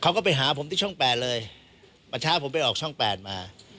เขาก็ไปหาผมที่ช่องแปดเลยเมื่อเช้าผมไปออกช่อง๘มา